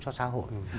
cho xã hội